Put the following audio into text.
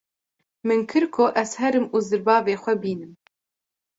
Min kir ko ez herim û zirbavê xwe bînim.